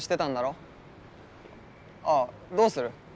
ああどうする？